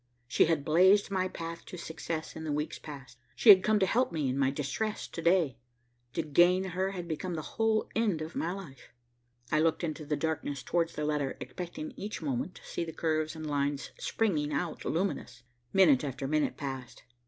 She had blazed my path to success in the weeks past. She had come to help me in my distress to day. To gain her had become the whole end of my life. I looked into the darkness towards the letter, expecting each moment to see the curves and lines springing out luminous. Minute after minute passed.